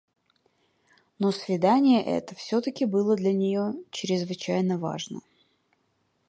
Но свидание это всё-таки было для нее чрезвычайно важно.